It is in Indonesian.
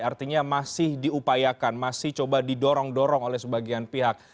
artinya masih diupayakan masih coba didorong dorong oleh sebagian pihak